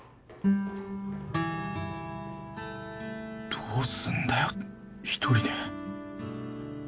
どうすんだよ１人で。